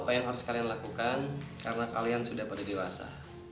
apa yang harus kalian lakukan karena kalian sudah pada dewasa